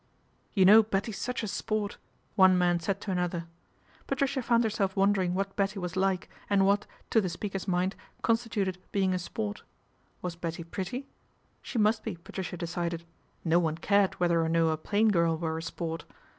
' You know Betty's such a sport ?" one man said to another. Patricia found herself wondering what Betty was like and what, to the speaker's mind, constituted being a sport. Was Betty pretty ? She must be, Patricia decided ; no one cared whether or no a plain girl were a sport.